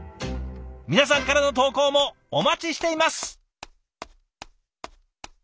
皆さんからの投稿もお待ちしています。